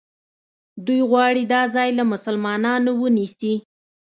دوی غواړي دا ځای له مسلمانانو ونیسي.